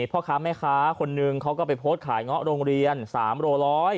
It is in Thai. พ่อค้าแม่ค้าคนนึงเขาก็ไปโพสต์ขายเงาะโรงเรียน๓โลร้อย